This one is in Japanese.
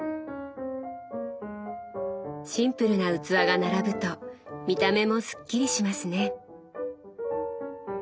シンプルな器が並ぶと見た目もすっきりしますね。